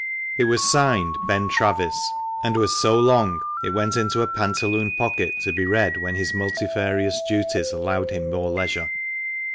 It was signed " Ben Travis," and was so long, it went into a pantaloon pocket, to be read when his multifarious duties allowed him more leisure.